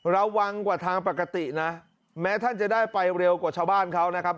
ระวังกว่าทางปกตินะแม้ท่านจะได้ไปเร็วกว่าชาวบ้านเขานะครับ